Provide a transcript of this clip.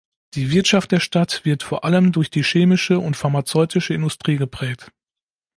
Die Wirtschaft der Stadt wird vor allem durch die chemische und pharmazeutische Industrie geprägt.